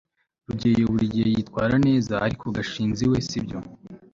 rugeyo buri gihe yitwara neza ariko, gashinzi we sibyo